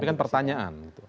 tapi kan pertanyaan